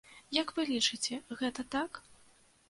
Як вы лічыце, гэта так?